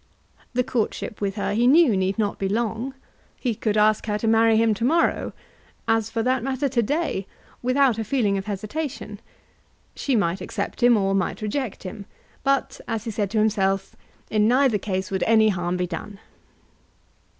The courtship with her he knew need not be long. He could ask her to marry him to morrow, as for that matter to day, without a feeling of hesitation. She might accept him or might reject him; but, as he said to himself, in neither case would any harm be done.